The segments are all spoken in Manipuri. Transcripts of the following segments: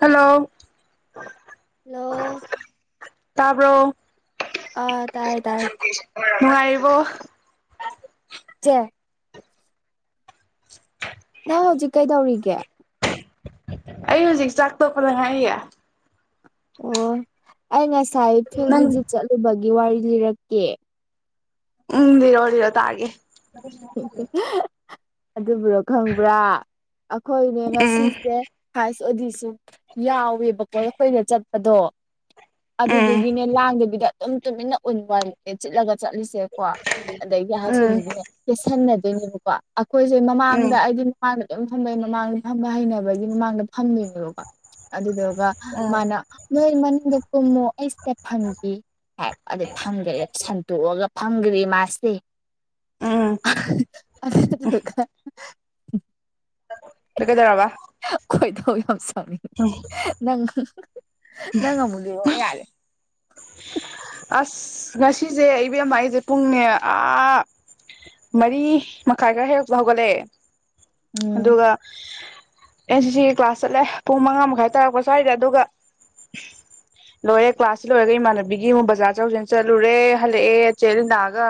ꯍꯜꯂꯣ ꯍꯂꯣ ꯕ꯭ꯔꯣ ꯇꯥꯔꯦ ꯉꯅꯨꯡꯥꯏ ꯋ ꯆꯦ ꯅꯪ ꯍꯧꯖꯤꯛ ꯀꯩꯗꯧꯔꯤꯒꯦ ꯑꯩ ꯍꯧꯖꯤꯛ ꯆꯥꯛ ꯇꯣꯛꯄꯅ ꯍꯥꯏꯥꯏꯔꯤꯦ ꯑꯣ ꯑ ꯉ ꯁꯥꯏ ꯅꯪ ꯐꯤꯕꯤꯖ ꯆꯂ ꯒꯤ ꯋꯥꯔꯤ ꯂꯤꯔꯛꯀꯦ ꯎꯝ ꯏꯔꯣꯗꯤ ꯏꯔꯣ ꯇꯥꯒꯦ ꯍ ꯑꯗꯨꯕꯨꯔꯣ ꯈꯪꯕ꯭ꯔꯥ ꯑꯩꯈꯣꯏꯅꯦ ꯎꯝ ꯉꯁꯤꯁꯦ ꯑꯗꯨ ꯑꯗꯨꯁꯨ ꯌꯥꯎꯋꯦꯕꯀꯣ ꯑꯩꯈꯣꯏꯅ ꯆꯠ ꯑꯗꯣ ꯎꯝ ꯑꯗꯨꯗꯨꯒꯤꯅꯦ ꯂꯥꯡꯗꯕꯤꯗ ꯑꯗꯨ ꯇꯃꯤꯅ ꯎꯟ ꯋꯥ ꯆꯠꯂ ꯆꯠꯂꯤꯁꯦꯀꯣ ꯑꯗꯒꯤ ꯎꯝ ꯍꯥꯏꯁꯨꯅꯦ ꯁꯥꯟꯗ ꯄꯥ ꯑꯩꯈꯣꯏꯁꯦ ꯃꯃꯥꯡꯗ ꯍꯥꯏꯗꯤ ꯃꯥ ꯑꯗꯨꯝ ꯊꯝꯕꯩ ꯃꯃꯥꯡꯗ ꯊꯝꯕ ꯍꯩꯅꯕꯒꯤ ꯃꯃꯥꯡꯗ ꯐꯝꯗꯣꯏꯅꯦꯕꯀꯣ ꯑꯗꯨꯗꯨꯒ ꯃꯥꯅ ꯅꯣꯏ ꯃꯅꯨꯡꯗ ꯀꯨꯝꯃꯨ ꯑꯩ ꯁꯤꯗ ꯐꯪꯈꯤ ꯍꯥꯏ ꯑꯗꯩ ꯐꯪꯈ꯭ꯔꯦ ꯁꯟꯇꯣꯛꯑꯒ ꯐꯪꯒ꯭ꯔꯤ ꯃꯥꯁꯤꯦ ꯎꯝ [unintelligible] ꯎ ꯀꯗꯔꯕ ꯍꯣꯏ ꯍꯪꯁꯤ ꯅꯪ ꯅꯪ ꯉꯃꯨꯂ ꯌꯥꯔꯦ ꯑꯁ ꯉꯁꯤꯁꯦ ꯑꯩꯕꯦꯝꯃꯛ ꯑꯩꯁꯦ ꯄꯨꯡꯅꯦ ꯑꯥ ꯃꯔꯤ ꯃꯈꯥꯏ ꯈꯔ ꯍꯦꯛ ꯍꯧꯒꯂꯦ ꯎꯝ ꯑꯗꯨꯒ ꯑ ꯁꯤꯁꯤ ꯀ꯭ꯂꯥꯁ ꯆꯠꯂꯦ ꯄꯨꯡ ꯃꯉꯥ ꯃꯈꯥꯏ ꯇꯥꯔꯛꯄ ꯁ꯭ꯋꯥꯏꯗ ꯑꯗꯨꯒ ꯂꯣꯏꯔꯦ ꯀ꯭ꯂꯥꯁꯁꯤ ꯂꯣꯏꯔꯒ ꯏꯃꯥꯟꯅꯕꯤꯒꯤ ꯑꯃꯨꯛ ꯕꯖꯥꯔ ꯆꯧꯁꯤꯅ ꯆꯠꯂꯨꯔꯦ ꯍꯜꯂꯛꯑꯦ ꯆꯦ ꯂꯤꯟꯗꯥꯑꯒ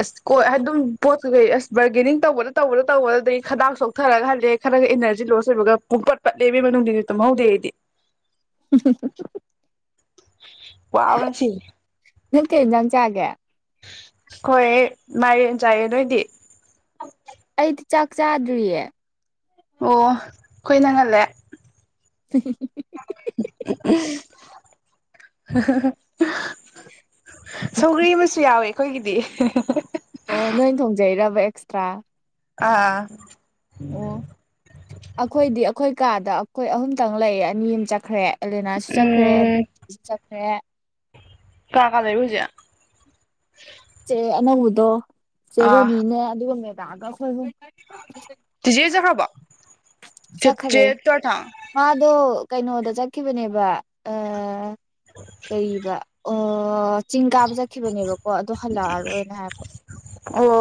ꯑꯁ ꯀꯣꯏ ꯑꯗꯨꯝ ꯄꯣꯠ ꯀꯩꯀꯩ ꯑꯁ ꯕꯥꯔꯒꯦꯅꯤꯡ ꯇꯧꯕꯗ ꯇꯧꯕꯗ ꯇꯧꯕꯗꯗꯒꯤꯩ ꯈꯗꯥꯛ ꯆꯣꯛꯊꯔꯒ ꯍꯜꯂꯦ ꯈꯔ ꯏꯅꯔꯖꯤ ꯂꯣꯁ ꯑꯣꯏꯕꯒ ꯄꯨꯡꯄꯠ ꯄꯠꯂꯦꯕꯒꯤ ꯃꯅꯨꯡꯗꯗꯤ ꯇꯨꯝꯍꯧꯗꯦ ꯑꯩꯗꯤ [unintelligible] ꯋꯥꯕꯟꯁꯤ ꯅꯪ ꯀꯩ ꯌꯦꯟꯖꯥꯡ ꯆꯥꯒꯦ ꯍꯣꯏ ꯃꯥꯏ ꯆꯥꯏꯌꯦꯦ ꯅꯣꯏꯗꯤ ꯑꯩꯗꯤ ꯆꯥꯛ ꯆꯥꯗ꯭ꯔꯤꯌꯦ ꯑꯣ ꯑꯩꯣꯏ ꯅꯪ ꯉꯜꯂꯦ [unintelligible] [unintelligible] ꯁꯒꯂꯤ ꯃꯁ ꯌꯥꯎꯋꯦ ꯑꯩꯈꯣꯏꯒꯤꯗꯤ ꯑꯣ ꯅꯣꯏ ꯊꯣꯡꯖꯩꯔꯕ ꯑꯦꯛꯁꯇ꯭ꯔꯥ ꯑꯥ ꯑꯣ ꯑꯩꯈꯣꯏꯗꯤ ꯑꯩꯈꯣꯏ ꯀꯩ ꯀꯥꯗ ꯑꯩꯈꯣꯏ ꯑꯍꯨꯝꯇꯪ ꯂꯩꯌꯦ ꯑꯅꯤ ꯑꯃ ꯆꯠꯈ꯭ꯔꯦ ꯑꯦꯂꯦꯅꯥꯁꯨ ꯆꯠꯈ꯭ꯔꯦꯁꯨ ꯆꯠꯈ꯭ꯔꯦ ꯀꯥ ꯀꯥꯂ ꯂꯩ ꯄꯨꯖꯤꯌꯥ ꯦꯅꯧꯕꯗꯣ ꯆꯦꯔꯣꯅꯤꯅꯦ ꯑꯗꯨꯒ ꯒ ꯁ ꯇꯖꯤꯦꯖ ꯍꯕ ꯆꯈ꯭ꯔꯦ ꯃꯥꯗꯨꯣ ꯀꯩꯅꯣꯗ ꯆꯠꯈꯤꯕꯅꯦꯕ ꯑ ꯀꯩꯔꯤꯕ ꯑꯣ ꯄ ꯆꯤꯡ ꯀꯥꯕ ꯆꯠꯈꯤꯕꯅꯦꯕꯀꯣ ꯑꯗꯨ ꯍꯜꯂꯛꯑꯔꯣꯏꯅ ꯍꯥꯏꯔꯕ ꯑꯣ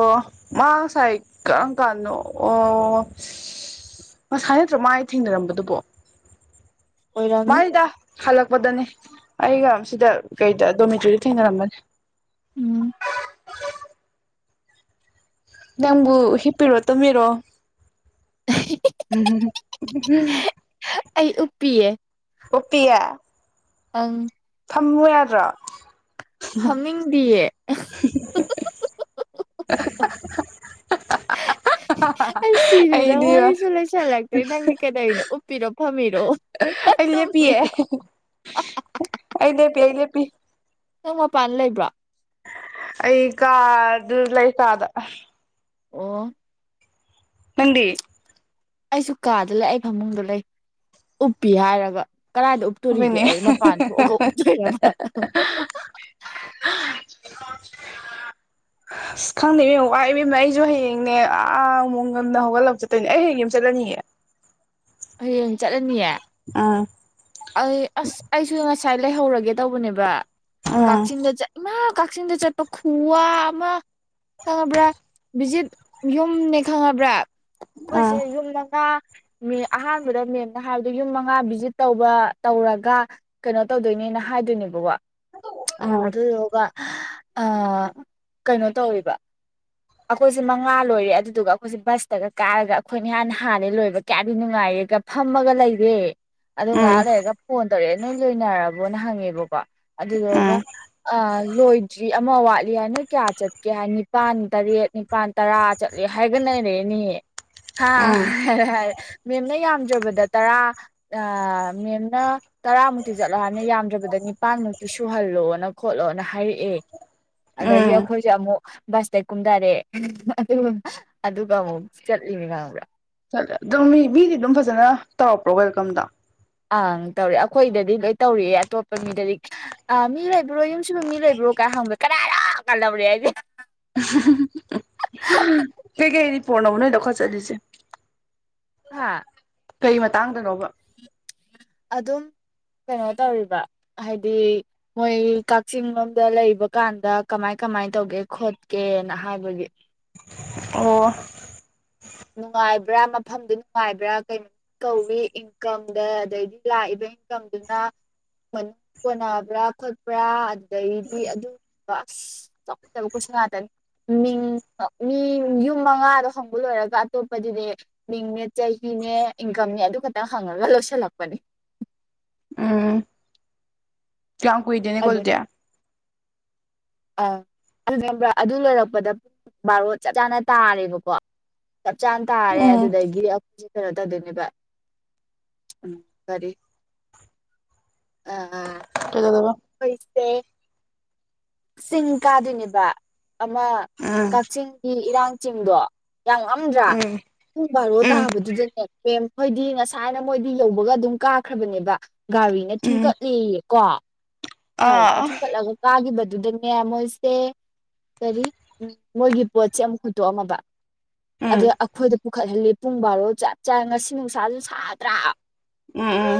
ꯃꯥ ꯉꯁꯥꯏ ꯀꯔꯝ ꯀꯥꯟꯅꯣ ꯑꯣ ꯉꯁꯥꯏ ꯅꯠꯇ꯭ꯔ ꯃꯥꯏ ꯊꯦꯡꯅꯔꯝꯕꯗꯨꯕꯣ ꯑꯣꯏꯔꯝꯅꯤ ꯃꯣꯏꯗ ꯍꯜꯂꯛꯄꯗꯅꯦ ꯑꯩꯒ ꯁꯤꯗ ꯀꯩꯗ ꯗꯣꯃꯤꯇꯣꯔꯤꯗ ꯊꯦꯡꯅꯔꯝꯕꯅꯤ ꯎꯝ ꯅꯪꯕꯨ ꯍꯤꯞꯄꯤꯔꯣ ꯇꯨꯝꯕꯤꯔꯣ ꯎꯝ ꯎꯝ ꯑꯩ ꯎꯞꯄꯤꯤꯑ ꯑꯣꯄꯌꯥ ꯑꯪ ꯊꯝꯃꯨ ꯌꯥꯗ꯭ꯔꯥ ꯐꯪꯅꯤꯡꯗꯤꯌꯦ [unintelligible] ꯑꯩ ꯁꯤꯔꯦ ꯅꯪ ꯑꯩꯗꯤ ꯋꯥꯔꯤꯁꯨ ꯑꯩ ꯂꯩꯁꯜꯂꯛꯇ꯭ꯔꯦ ꯅꯪꯗꯤ ꯀꯗꯧꯅꯣ ꯎꯞꯄꯤꯔꯣ ꯐꯝꯃꯤꯔꯣ ꯂꯦꯞꯄꯤꯌꯦ ꯇꯨꯝꯕꯤꯔꯣ ꯑꯩ ꯂꯦꯞꯄꯤ ꯑꯩ ꯂꯦꯞꯄꯤ ꯅꯪ ꯃꯄꯥꯟ ꯂꯩꯕ꯭ꯔꯣ ꯑꯩ ꯀ ꯑꯗꯨ ꯂ ꯂꯩ ꯀꯗ ꯑꯣ ꯃꯗꯤ ꯑꯩꯁꯨ ꯀꯥꯗ ꯂꯩ ꯑꯩ ꯐꯃꯨꯡꯗ ꯂꯩ ꯎꯞꯄꯤ ꯍꯥꯏꯔꯒ ꯀꯗꯥꯏꯗ ꯎꯞꯇꯣꯔꯤꯒꯦ ꯍꯣꯏꯅꯦ ꯑꯩ ꯃꯄꯥꯟ ꯊꯣꯛꯑꯒ ꯎꯞꯇꯣꯏꯔꯕ ꯑꯁ ꯈꯪꯗꯦ ꯏꯕꯦꯝ ꯋꯥ ꯏꯕꯦꯝꯅꯦ ꯑꯩꯁꯨ ꯍꯌꯦꯡꯅꯦ ꯑꯥ ꯑꯃꯨ ꯉꯝꯅ ꯍꯧꯒꯠꯂꯛ ꯆꯠꯇꯣꯏꯅꯦ ꯑꯩ ꯍꯌꯦꯡ ꯌꯥꯝ ꯆꯠꯂꯅꯤꯌꯦꯦ ꯍꯌꯦꯡ ꯆꯠꯂꯅꯤꯌꯦ ꯑꯥ ꯑꯩ ꯑꯁ ꯑꯩꯁꯨ ꯉꯁꯥꯏ ꯂꯩꯍꯧꯔꯒꯦ ꯇꯧꯕꯅꯦꯕ ꯎꯝ ꯀꯛꯆꯤꯡꯒꯖꯥ ꯏꯃ ꯀꯛꯆꯤꯡꯗ ꯆꯠꯄ ꯈꯨꯋꯥ ꯑꯃ ꯈꯪꯉꯕ꯭ꯔꯥ ꯕꯤꯖꯤꯠ ꯌꯨꯝꯅꯦ ꯈꯪꯉꯕ꯭ꯔꯥ ꯎꯝ ꯑꯩꯈꯣꯏꯁꯦ ꯌꯨꯝ ꯃꯉꯥ ꯃꯤ ꯑꯍꯥꯟꯕꯗꯦꯝ ꯍꯥꯏꯕꯣ ꯌꯨꯝ ꯃꯉꯥ ꯚꯖꯤꯠ ꯇꯧꯧꯕ ꯇꯧꯔꯒ ꯀꯩꯅꯣ ꯇꯧꯗꯣꯏꯅꯦꯅ ꯍꯥꯏꯗꯣꯏꯅꯦꯕꯀꯣ ꯎꯝ ꯑꯗ ꯌꯣꯒ ꯑ ꯀꯩꯅꯣ ꯇꯧꯋꯦꯕ ꯑꯩꯈꯣꯏꯁꯦ ꯃꯉꯥ ꯂꯣꯏꯔꯦ ꯑꯗꯨꯗꯨꯒ ꯑꯩꯈꯣꯏꯁꯦ ꯕꯁꯇꯒ ꯀꯥꯔꯒ ꯑꯩꯈꯣꯏꯅ ꯍꯥꯟ ꯍꯥꯟꯅ ꯂꯣꯏꯕ ꯀꯌꯥꯗꯤ ꯅꯨꯡꯉꯥꯏꯔꯦꯒ ꯐꯝꯃꯒ ꯂꯩꯔꯦ ꯑꯗꯣ ꯉꯍꯥꯛ ꯂꯩꯔꯒ ꯐꯣꯟ ꯇꯧꯔꯛꯑꯦ ꯅꯣꯏ ꯂꯣꯏꯅꯔꯕ ꯅ ꯍꯪꯉꯦꯕ ꯎꯝ ꯑꯗꯨꯗꯨꯒ ꯂꯣꯏꯗ꯭ꯔꯤ ꯑꯃ ꯋꯥꯠꯂꯤ ꯆꯠꯂꯤ ꯍꯥꯏ ꯅꯣꯏ ꯀꯌꯥ ꯆꯠꯀꯦ ꯍꯥꯏ ꯅꯤꯄꯥꯥꯟ ꯇꯔꯦꯠ ꯅꯤꯄꯥꯜ ꯇꯔꯥ ꯆꯠꯂꯤ ꯍꯥꯏꯒꯅꯔꯦꯅꯦꯍꯦ ꯍꯥꯥ ꯎꯝ ꯎꯝ ꯍꯥꯏꯔꯦ ꯍꯥꯏꯔꯦ ꯃꯦꯝꯅ ꯌꯥꯝ ꯖꯕꯗ ꯇꯔꯥ ꯃꯦꯝꯅ ꯇꯔꯥꯃꯨꯛꯇꯤ ꯆꯠꯂꯅ ꯌꯥꯝꯗ꯭ꯔꯕꯗ ꯅꯤꯄꯥꯟꯃꯨꯛꯇꯤ ꯁꯨꯍꯜꯂꯣꯅ ꯈꯣꯠꯂꯣꯅ ꯍꯥꯏꯔꯛꯑꯦ ꯑꯗꯒꯤ ꯎꯝ ꯑꯩꯈꯣꯏꯁꯦ ꯑꯃꯨꯛ ꯕꯁꯇ ꯀꯨꯝꯊꯔꯦ ꯑꯗꯨꯒ ꯑꯃꯨꯛ ꯆꯠꯂꯤꯅꯤ ꯈꯥꯡꯕ꯭ꯔꯥ ꯠꯦ ꯑꯗꯨꯝ ꯃꯤ ꯃꯤꯗꯤ ꯑꯗꯨꯝ ꯐꯖꯅ ꯇꯧꯔꯛꯄ꯭ꯔꯣ ꯋꯦꯜꯀꯝꯗꯣ ꯑꯪ ꯇꯧꯔꯦ ꯑꯩꯈꯣꯏꯗꯗꯤ ꯂꯣꯏ ꯇꯧꯔꯤꯑꯦ ꯑꯇꯣꯞꯄ ꯃꯤꯗꯗꯤ ꯑꯥ ꯃꯤ ꯂꯩꯕ꯭ꯔꯣ ꯌꯨꯝꯁꯨꯕ ꯃꯤ ꯂꯩꯕ꯭ꯔꯣ ꯀꯥꯏ ꯍꯪꯕ꯭ꯔꯦ ꯀꯅꯥ ꯌꯥꯝ ꯀꯍꯧꯔꯦ ꯍꯥꯏꯗꯤ [unintelligible] ꯍꯦꯒꯦꯅꯤꯗꯤ ꯄꯅꯕꯨ ꯅꯣꯏ ꯗꯣ ꯈꯥ ꯆꯂꯤꯁꯦ ꯍꯥꯥ ꯀꯩ ꯃꯇꯥꯡꯗꯅꯣꯕ ꯑꯗꯨꯝ ꯀꯩꯅꯣ ꯇꯧꯔꯤꯕ ꯍꯥꯏꯗꯤ ꯃꯣꯏ ꯀꯛꯆꯤꯡ ꯂꯣꯝꯗ ꯂꯩꯕ ꯀꯥꯟꯗ ꯀꯃꯥꯏ ꯀꯃꯥꯏ ꯇꯧꯒꯦ ꯈꯣꯠꯀꯦꯅ ꯍꯥꯏꯕꯒꯤ ꯑꯣ ꯅꯨꯡꯉꯥꯏꯕ꯭ꯔꯥ ꯃꯐꯝꯗꯨ ꯅꯨꯡꯉꯥꯏꯕ꯭ꯔꯥ ꯀꯩꯅꯣ ꯀꯧꯏ ꯏꯟꯀꯝꯗ ꯑꯗꯩꯗꯤ ꯂꯥꯛꯏꯕ ꯏꯟꯀꯝꯗꯨꯅ ꯃꯅꯨꯡ ꯀꯣꯟꯅꯕ꯭ꯔꯥ ꯈꯣꯠꯄ꯭ꯔꯥ ꯑꯗꯨꯗꯩꯗꯤ ꯑꯗꯨꯒ ꯑꯁ ꯆꯥꯎꯈꯠꯠꯇꯕ ꯀꯣꯏꯁꯟ ꯉꯥꯛꯇꯅꯤ ꯃꯤꯡ ꯃꯤ ꯌꯨꯝ ꯃꯉꯥꯗꯣ ꯍꯪꯕ ꯂꯣꯏꯔꯒ ꯑꯇꯣꯞꯄꯗꯨꯗꯤ ꯃꯤꯡꯅꯦ ꯆꯍꯤꯅꯦ ꯏꯟꯀꯝꯅꯦ ꯑꯗꯨ ꯈꯛꯇꯪ ꯍꯪꯉꯒ ꯂꯣꯏꯁꯤꯜꯂꯛꯄꯅꯦ ꯀ ꯀꯨꯏꯗꯅꯦ ꯀꯣꯗꯌꯥ ꯑ ꯑꯗꯨ ꯅꯕ꯭ꯔ ꯑꯗꯨ ꯂꯣꯏꯔꯛꯄꯗ ꯄꯨꯡ ꯕꯥꯔꯣ ꯆꯞ ꯆꯥꯅ ꯇꯥꯔꯦꯕꯀꯣ ꯆꯞ ꯆꯥꯅ ꯇꯥꯔꯦ ꯎꯝ ꯑꯗꯨꯗꯒꯤ ꯑꯩꯈꯣꯏꯁꯦ ꯀꯩꯅꯣ ꯇꯧꯗꯣꯏꯅꯦꯕ ꯎꯝ ꯀꯔꯤ ꯑꯥ ꯀꯩꯗꯧꯗꯣꯏꯕ ꯐꯩꯁꯦ ꯆꯤꯡ ꯀꯥꯗꯣꯏꯅꯦꯕ ꯑꯃ ꯎꯝ ꯀꯛꯆꯤꯡꯒꯤ ꯏꯔꯥꯡ ꯆꯤꯡꯗꯣ ꯌꯥꯝ ꯉꯝꯗ꯭ꯔꯥ ꯎꯝ ꯄꯨꯡ ꯕꯥꯔꯣ ꯎꯝ ꯇꯥꯕꯗꯨꯗꯅꯦ ꯃꯦꯝ ꯍꯣꯏꯗꯤ ꯉꯁꯥꯏꯅ ꯃꯣꯏꯗꯤ ꯌꯧꯕꯒ ꯑꯗꯨꯝ ꯀꯥꯈ꯭ꯔꯕꯅꯦꯕ ꯒꯥꯔꯤꯅ ꯎꯝ ꯊꯤꯡꯀꯠꯂꯤꯌꯦ ꯀ ꯒꯥꯔꯤ ꯅ ꯑꯥ ꯀꯂꯒ ꯀꯥꯒꯤ ꯑꯗꯨꯗꯅꯦ ꯃꯣꯏꯁꯦ ꯀꯔꯤ ꯎ ꯃꯣꯏꯒꯤ ꯄꯣꯠꯁꯦ ꯑꯃꯨꯛ ꯍꯨꯠꯇꯣꯛꯑꯝꯃꯕ ꯑꯗ ꯎꯝ ꯑꯩꯈꯣꯏꯗ ꯄꯨꯈꯠꯍꯜꯂꯤ ꯄꯨꯡ ꯕꯥꯔꯣ ꯆ ꯆ ꯉꯁꯤ ꯅꯨꯡꯁꯥꯁꯨ ꯁꯥꯗ꯭ꯔꯥ ꯎꯝ ꯎꯝ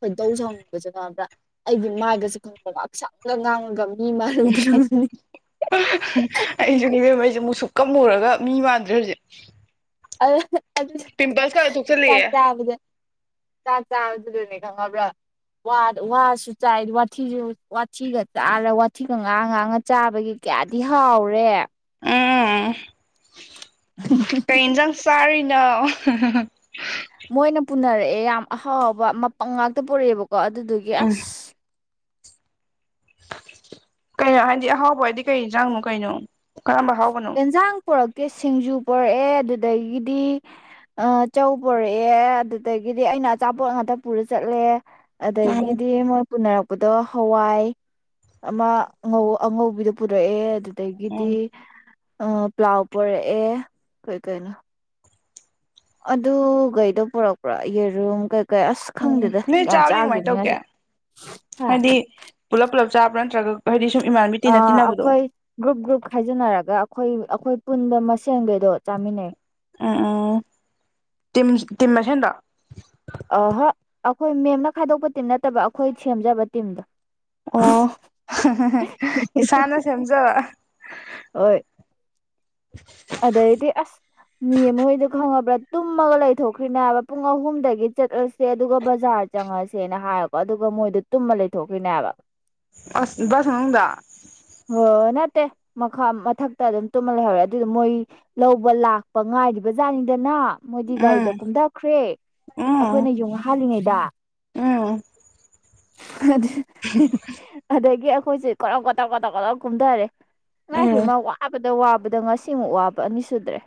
ꯍꯣꯏ ꯇꯧꯖꯍꯅꯤꯡꯕꯕꯁꯤꯅꯣꯕ ꯑꯩꯗꯤꯒ ꯍꯛꯆꯥꯡꯒ ꯉꯥꯡꯉꯒ ꯃꯤ ꯃꯥꯔ ꯎꯗ꯭ꯔꯣꯅꯤ ꯑꯩꯁꯨꯅꯦꯕꯦꯝꯈꯩꯁꯦ ꯃꯨꯁꯨꯛ ꯀꯃꯨꯔꯒ ꯃꯤ ꯃꯥꯟꯗ꯭ꯔ ꯍꯧꯁꯦ ꯑ ꯑꯗꯨ ꯆꯥꯛ ꯊꯣꯛꯆꯜꯂꯛꯑꯦ ꯆꯕꯗ ꯆꯥ ꯆꯥꯕꯗꯨꯗꯅꯦ ꯈꯪꯉꯕ꯭ꯔꯥ ꯋꯥꯁꯨ ꯆꯥꯏ ꯋꯥꯊꯤꯁꯨ ꯋꯥꯊꯤꯒ ꯆꯥꯔ ꯋꯥꯊꯤꯒ ꯉꯥꯡ ꯉꯥꯡꯉ ꯆꯥꯕꯒꯤ ꯀꯌꯥꯗꯤ ꯍꯥꯎꯔꯦ ꯀꯩꯟꯖꯥꯡ ꯆꯥ ꯍꯂ ꯃꯣꯏꯅ ꯄꯨꯅꯔꯛꯑꯦ ꯌꯥꯝ ꯑꯍꯥꯎꯕ ꯃꯄꯪ ꯉꯥꯛꯇ ꯄꯨꯔꯛꯑꯦꯕꯀꯣ ꯀ ꯑꯗꯨꯗꯨꯒꯤ ꯎꯝ ꯑꯁ ꯀꯩꯅꯣ ꯍꯥꯏꯗꯤ ꯑꯍꯥꯎꯕ ꯍꯥꯏꯗꯤ ꯀꯩ ꯆꯥꯡꯅꯣ ꯀꯩꯅꯣ ꯀꯔꯝꯕ ꯑꯍꯥꯎꯕꯅꯣ ꯑꯦꯟꯖꯥꯡ ꯄꯨꯔꯛꯀꯦ ꯁꯤꯡꯖꯨ ꯄꯣꯔꯛꯑꯦ ꯑꯗꯨꯗꯒꯤꯗꯤ ꯆꯧ ꯄꯣꯔꯛꯑꯦ ꯑꯗꯨꯗꯒꯤꯗꯤ ꯑꯩꯅ ꯑꯆꯥꯄꯣꯠ ꯉꯥꯛꯇ ꯄꯨꯔ ꯆꯠꯂꯦ ꯎꯝ ꯑꯗꯗꯒꯤꯗꯤ ꯄꯨꯅꯔꯛꯄꯗꯣ ꯍꯋꯥꯏ ꯑꯃ ꯑꯉꯧꯕꯤꯗꯣ ꯄꯨꯔꯛꯑꯦ ꯑꯗꯨ ꯎꯝ ꯑꯗꯒꯤꯗꯤ ꯑ ꯄ꯭ꯂꯥꯎ ꯄꯔꯛꯑꯦ ꯀꯩ ꯀꯩꯅꯣ ꯑꯗꯨꯈꯩꯗꯣ ꯄꯨꯔꯛꯄ꯭ꯔꯥ ꯌꯦꯔꯨꯝ ꯀꯩꯀꯩ ꯑꯁ ꯎꯝ ꯈꯪꯗꯦꯗ ꯅꯣꯏ ꯌꯥꯝ ꯆꯥꯕꯗꯤ ꯀꯃꯥꯏꯅ ꯆꯥꯈꯤꯕꯅꯤ ꯇꯧꯒꯦ ꯉꯁꯥꯏ ꯍꯥꯏꯗꯤ ꯄꯨꯂꯞ ꯄꯨꯂꯞ ꯆꯥꯕ꯭ꯔꯥ ꯅꯠꯇ꯭ꯔꯒ ꯍꯗꯤ ꯑ ꯑꯩꯈꯣꯏ ꯒ꯭ꯔꯨꯞ ꯒ꯭ꯔꯨꯞ ꯍꯥꯏꯖꯤꯟꯅꯔꯒ ꯑꯩꯈꯣꯏ ꯑꯩꯈꯣꯏ ꯄꯨꯟꯕ ꯃꯁꯦꯟꯒꯩꯗꯣ ꯆꯥꯃꯤꯟꯅꯩ ꯎꯝ ꯎꯝ ꯇ ꯇꯤꯃꯁ ꯍꯗ ꯑꯍ ꯑꯩꯈꯣꯏ ꯃꯦꯝꯅ ꯈꯥꯏꯗꯣꯛꯄ ꯇꯤꯝ ꯅꯠꯇꯕ ꯑꯩꯈꯣꯏ ꯁꯦꯝꯖꯕ ꯇꯤꯝꯗꯣ ꯑꯣ ꯏꯁꯥꯅ ꯁꯦꯝꯖꯕ ꯍꯣꯏ [unintelligible] ꯑꯗꯩꯗꯤ ꯑꯁ ꯃꯤ ꯃꯣꯏꯗ ꯈꯪꯉꯕ꯭ꯔꯥ ꯇꯨꯝꯃꯒ ꯂꯩꯊꯣꯛꯈ꯭ꯔꯤꯅꯦꯕ ꯄꯨꯡ ꯑꯍꯨꯝꯗꯒꯤ ꯆꯠꯂꯁꯦ ꯑꯗꯨꯒ ꯕꯖꯥꯔ ꯆꯪꯉꯁꯦꯅ ꯍꯥꯏꯀꯣ ꯑꯗꯨꯒ ꯃꯣꯏꯗꯣ ꯇꯨꯝꯃ ꯂꯩꯊꯣꯛꯈ꯭ꯔꯤꯅꯦꯕ ꯑꯁ ꯁꯅꯨꯡꯗ ꯍꯣꯏ ꯅꯠꯇꯦ ꯃꯈꯥ ꯃꯊꯛꯇ ꯑꯗꯨꯝ ꯇꯨꯝꯍꯜ ꯂꯩꯍꯧꯔꯦ ꯑꯗꯨꯗ ꯃꯣꯏ ꯂꯧꯕ ꯂꯥꯛꯄ ꯉꯥꯏꯔꯤꯕꯖꯥꯠꯅꯤꯡꯗꯅ ꯃꯣꯏꯗꯤ ꯎꯝ ꯒꯥꯔꯤꯗ ꯀꯨꯝꯊꯈ꯭ꯔꯦ ꯎꯝ ꯑꯩꯈꯣꯏꯅ ꯌꯣꯡ ꯍꯥꯜꯂꯤꯉꯩꯗ ꯎꯝ ꯑꯗꯒꯤ ꯑꯩꯣꯏꯁꯦ ꯀꯂꯥꯎ ꯀꯗꯥꯥꯎ ꯀꯇꯥꯎ ꯀꯂꯒꯨꯝꯗꯔꯦ ꯂ ꯐꯃ ꯋꯥꯕꯗ ꯋꯥꯕ ꯕꯗꯉ ꯁꯤꯃꯨꯛ ꯋꯥꯕ ꯑꯅꯤ ꯁꯨꯗ꯭ꯔꯦ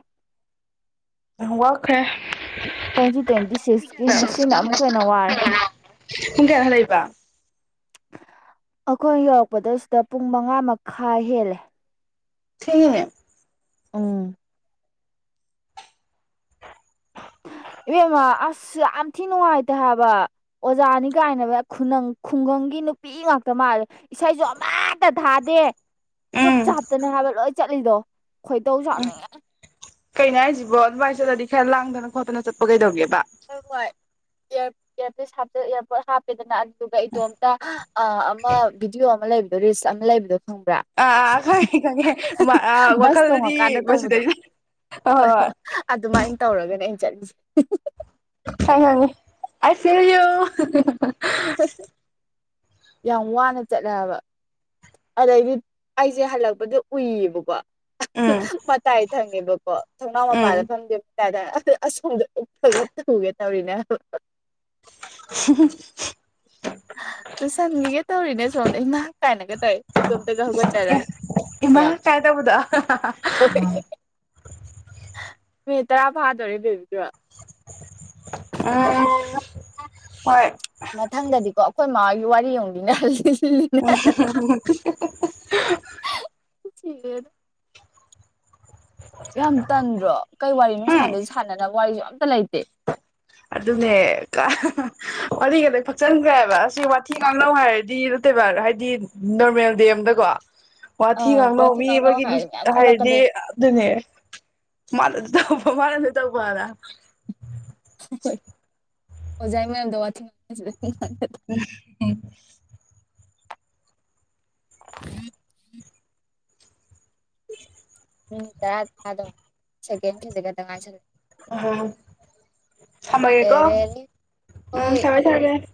ꯋꯥꯈꯔꯦ ꯇ꯭ꯋꯦꯟꯇꯤ ꯇ꯭ꯋꯦꯟꯇꯤ ꯁꯤꯛꯁꯀꯤ ꯉꯁꯤꯅ ꯑꯃꯨꯛꯀ ꯍꯦꯟꯅ ꯋꯥꯔꯦ ꯀꯨꯡ ꯀꯦꯚꯜ ꯂꯩꯕ ꯑꯩꯈꯣꯏ ꯌꯧꯔꯛꯄꯗ ꯁꯤꯗ ꯄꯨꯡ ꯃꯉꯥ ꯃꯈꯥꯏ ꯍꯦꯜꯂꯦ ꯁꯤ ꯎꯝ ꯏꯕꯦꯝꯃ ꯑꯁ ꯌꯥꯝ ꯊꯤ ꯅꯨꯡꯉꯥꯏꯇꯦ ꯍꯥꯏꯕ ꯑꯣꯖꯥꯅꯤ ꯀꯥꯏꯅꯕꯪ ꯈꯨꯡꯒꯪꯒꯤ ꯅꯨꯄꯤ ꯉꯥꯛꯛꯇ ꯃꯥꯜꯂꯦ ꯏꯁꯩꯁꯨ ꯑꯃꯠꯇ ꯊꯥꯗꯦ ꯆꯨꯞꯞ ꯎꯝ ꯆꯥꯞꯇꯅꯦ ꯍꯥꯏꯕ ꯆꯠꯂꯤꯗꯣ ꯈꯣꯏꯗꯧ ꯆꯥꯠꯅꯦ ꯀꯩꯅ ꯍꯥꯏꯁꯤꯕꯣ ꯑꯗꯨꯃꯥꯏꯅ ꯆꯠꯂꯗꯤ ꯈꯔ ꯂꯥꯡꯗꯅ ꯈꯣꯠꯇꯅ ꯆꯠꯄ ꯀꯩꯗꯧꯒꯦꯕ ꯍꯪꯌꯥ ꯏꯌꯥꯔꯄꯣꯔꯠ ꯍꯥꯞꯄꯦꯗꯅ ꯑꯗꯨꯗꯨꯒ ꯏꯇꯣꯝꯇ ꯑ ꯑ ꯕꯤꯗꯤꯑꯣ ꯑꯃ ꯂꯩ ꯑꯗꯨꯔꯤꯁ ꯑꯝ ꯂꯩꯕꯣ ꯑꯥ ꯑꯥ ꯈꯪꯉꯦ ꯈꯪꯉꯦ ꯕꯁ ꯋꯥꯈꯜꯗꯗꯤ ꯇꯣꯡꯉꯀꯥꯟꯗ ꯇꯧꯕꯗꯣ ꯃꯁꯤꯗꯩ ꯍꯣꯏ ꯍꯣꯏ ꯑꯗꯨꯃꯥꯏꯅ ꯇꯧꯔꯒꯅꯦ ꯑꯩꯅ ꯆꯠꯂꯤꯁꯦ ꯍꯉꯉ ꯑꯁꯣ ꯍ ꯌꯥꯝ ꯋꯥꯅ ꯆꯠꯂꯕ ꯑꯗꯩꯗꯤ ꯑꯩꯁꯦ ꯍꯜꯂꯛꯄꯗ ꯎꯏꯌꯦꯕꯀꯣ ꯎꯝ ꯃꯇꯥꯏ ꯊꯪꯉꯦꯕꯀꯣ ꯊꯧꯅꯥꯎ ꯎꯝ ꯃꯄꯥꯗ ꯐꯪꯗꯦꯕ ꯑꯁꯣꯝꯗ ꯐꯒꯨꯒꯦ ꯇꯧꯔꯤꯅꯦ [unintelligible] ꯇ ꯁꯟꯒꯤꯒꯦ ꯇꯧꯔꯤꯅꯦ ꯁꯣꯝꯗ ꯅꯍꯥꯛ ꯀꯥꯏꯅꯒ ꯇꯧꯋꯦ ꯏꯇꯣꯝꯇꯒ ꯍꯧꯒꯠꯆꯔꯒ ꯏꯃꯥ ꯌꯥꯝ ꯀꯥꯏ ꯇꯧꯕꯗꯣ ꯃꯤꯠ ꯇꯔꯥ ꯐꯥꯗꯧꯔꯤ ꯂꯩꯦꯕꯤꯗ ꯎꯝ ꯎ ꯃꯊꯪꯗꯗꯤꯀꯣ ꯑꯩꯈꯣꯏ ꯃꯥ ꯋꯥꯔꯤꯔꯤꯡꯕꯤꯅ [unintelligible] ꯁꯤꯦ ꯑꯗꯨ ꯌꯥꯝ ꯇꯟꯗ꯭ꯔꯣ ꯀꯩ ꯋꯥꯔꯤ ꯎꯝ ꯅꯨꯡꯁꯥꯟꯅꯁꯨ ꯁꯥꯟꯅꯅꯕ ꯋꯥꯔꯤꯁꯨ ꯌꯥꯝ ꯂꯥꯏꯇꯦ ꯑꯗꯨꯅꯦ ꯋꯥꯔꯤ ꯈꯗ ꯐꯛꯆꯟꯈ꯭ꯔꯦꯕ ꯑꯁꯤ ꯋꯥꯊꯤ ꯉꯥꯡꯅꯧ ꯍꯥꯏꯔꯗꯤ ꯅꯠꯇꯦꯕ ꯍꯥꯏꯗꯤ ꯅꯣꯔꯃꯦꯜ ꯗꯦ ꯑꯝꯗꯀꯣ ꯋꯥꯊꯤ ꯑꯪ ꯋꯥꯊꯤ ꯉꯥꯡꯅꯧ ꯉꯥꯡꯅꯧꯕꯤꯕꯒꯤ ꯍꯥꯏꯔꯗꯤ ꯃꯌꯥꯝ ꯍꯥꯏꯔꯗꯤ ꯊꯣꯛꯂꯛꯀꯗꯣꯏꯅꯤ ꯑꯗꯨꯅꯦ ꯐꯔ ꯅ ꯇꯕꯨꯔ ꯍ ꯍꯣꯏ ꯑꯣꯖꯥꯏ ꯃꯗ ꯊ [unintelligible] ꯎꯝ ꯎ ꯎꯝ ꯇꯔꯥ ꯊꯥꯗꯧ ꯁꯦꯀꯦꯟꯖꯒ ꯇꯪ ꯉꯥꯏ ꯎ ꯊꯃꯒꯦ ꯀꯣ ꯂꯩꯔꯦ ꯎꯝ ꯍꯣꯏ ꯊꯃꯦꯥꯏ ꯊꯔꯒꯦ